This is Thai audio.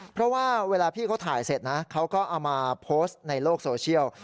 เพราะว่าเวลาพี่เขาถ่ายเสร็จนะเขาก็เอามาโพสต์ในโลกโซเชียล